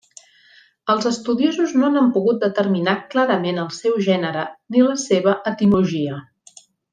Els estudiosos no n'han pogut determinar clarament el seu gènere ni la seva etimologia.